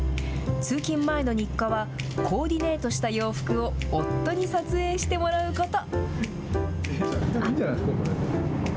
通勤前の日課はコーディネートした洋服を夫に撮影してもらうこと。